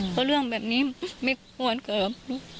เพราะเรื่องแบบนี้ไม่ควรเกิด